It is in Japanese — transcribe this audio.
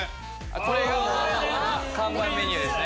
これが看板メニューですね。